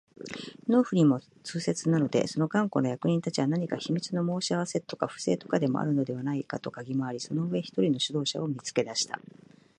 農夫にも痛切なので、その頑固な役人たちは何か秘密の申し合せとか不正とかでもあるのではないかとかぎ廻り、その上、一人の指導者を見つけ出した